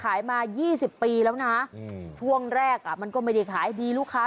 ขายมา๒๐ปีแล้วนะช่วงแรกอ่ะมันก็ไม่ได้ขายดีลูกค้า